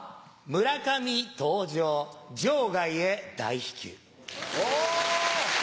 村上登場、場外へ大飛球。